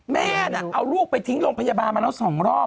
แม่น่ะเอาลูกไปทิ้งโรงพยาบาลมาแล้ว๒รอบ